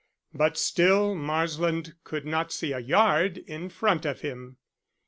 But still Marsland could not see a yard in front of him.